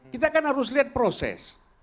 kita kan harus lihat proses